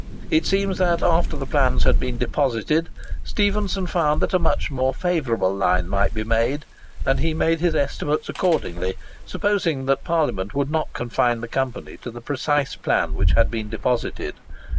It seems that, after the plans had been deposited, Stephenson found that a much more favourable line might be made; and he made his estimates accordingly, supposing that Parliament would not confine the Company to the precise plan which had been deposited.